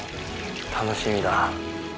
楽しみだ。